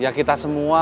ya kita semua